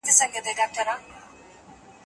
په سياسي چارو کي شريک سئ.